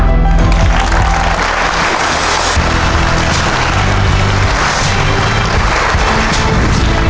สวัสดีครับ